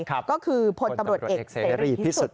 ก็คือพลตำรวจเอกเสรีพิสุทธิ์